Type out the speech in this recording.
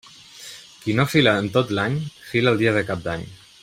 Qui no fila en tot l'any, fila el dia de Cap d'Any.